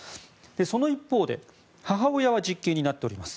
その一方で母親は実刑になっております。